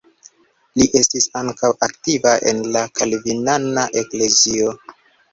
Li estis ankaŭ aktiva en la kalvinana eklezio.